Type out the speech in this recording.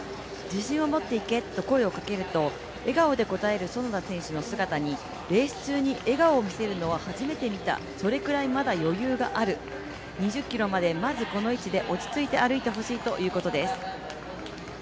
自信を持って行けと声をかけると笑顔で応える園田選手の姿にレース中に笑顔を見せるのは初めて見た、それくらいまだ余裕がある２０ｋｍまでまずこの位置で落ち着いて歩いてほしいということです。